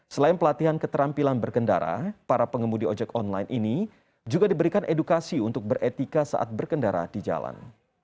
selain pelatihan keterampilan berkendara para pengemudi ojek online ini juga diberikan edukasi untuk beretika saat berkendara di jalan